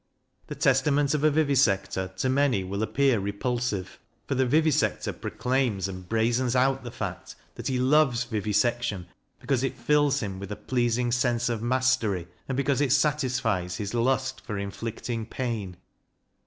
" The Testament of a Vivisector " to many will appear repulsive, for the vivisector proclaims and brazens out the fact that he loves vivisection because it fills him with a pleasing sense of mastery, and be cause it satisfies his lust for inflicting pain.